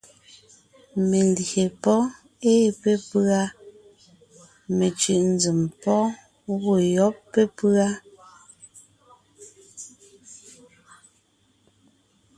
Melyè pɔ́ɔn ée pépʉ́a, mencʉ̀ʼ nzèm pɔ́ɔn gwɔ̂ yɔ́b pépʉ́a.